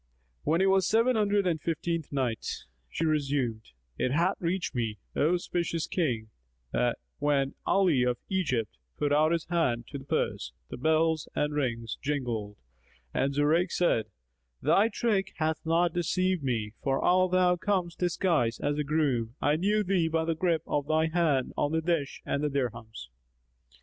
When it was the Seven Hundred and Fifteenth Night, She resumed, It hath reached me, O auspicious King, that when Ali of Egypt put out his hand to the purse, the bells and rings jingled and Zurayk said, "Thy trick hath not deceived me for all thou comest disguised as a groom I knew thee by the grip of thy hand on the dish and the dirhams!"